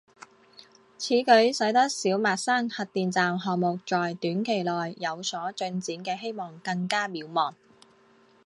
此举使得小墨山核电站项目在短期内有所进展的希望更加渺茫。